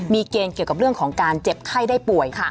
มีเกณฑ์เกี่ยวกับเรื่องของการเจ็บไข้ได้ป่วย